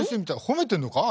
褒めてんのか？